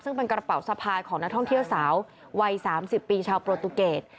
ซึ่งเป็นกระเป๋าสะพายของนักท่องเที่ยวสาววัย๓๐ปีชาวโปรตูเกต